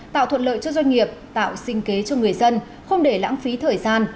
tạo thuận lợi cho doanh nghiệp tạo sinh kế cho người dân không để lãng phí thời gian